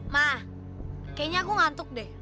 mah kayaknya aku ngantuk deh